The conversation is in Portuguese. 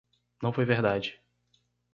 Não foi verdade.